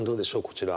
こちら。